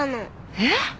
えっ？